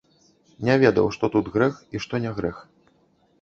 Не ведаў, што тут грэх і што не грэх.